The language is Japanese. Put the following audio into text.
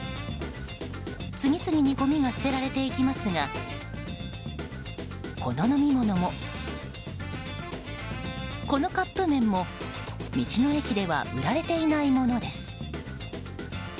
次々にごみが捨てられていきますがこの飲み物も、カップ麺も道の駅では売られていないものです。